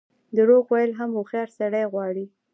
درواغ ویل هم هوښیار سړی غواړي.